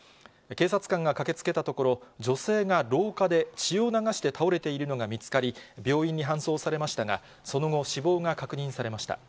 警察官が駆けつけたところ、女性が廊下で血を流して倒れているのが見つかり、病院に搬送されましたが、その後、死亡が確認されました。